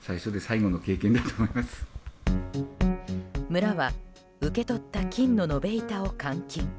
村は、受け取った金の延べ板を換金。